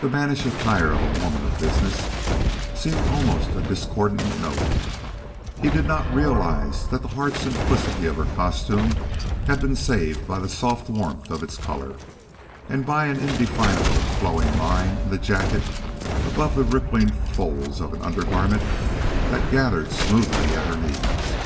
The mannish attire of a woman of business seemed almost a discordant note; he did not realize that the hard simplicity of her costume had been saved by the soft warmth of its color, and by an indefinable, flowing line in the jacket above the rippling folds of an undergarment that gathered smoothly at her knees.